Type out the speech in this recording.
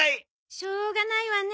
しょうがないわね。